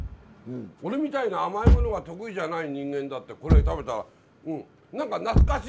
俺みたいな甘い物が得意じゃない人間だってこれ食べたら何か懐かしい感じもする。